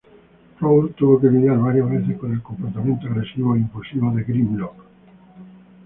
Prowl tuvo que lidiar varias veces con el comportamiento agresivo e impulsivo de Grimlock.